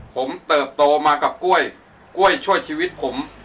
ผมเติบโตมากับกล้วยกล้วยช่วยชีวิตผม